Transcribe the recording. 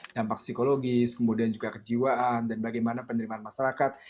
dampak psikologis kemudian juga kejiwaan dan bagaimana penerimaan masyarakat